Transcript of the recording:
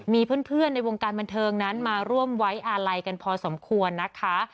มีเพื่อนในวงการบันเทิงนั้นมาร่วมไว้อาลัยกันพอสมควรนะคะ